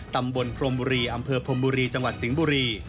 ตำบลพรมบุรีอำเภอพรมบุรีจังหวัดสิงห์บุรี